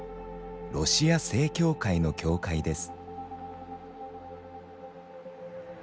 ロシア正教会の教会です。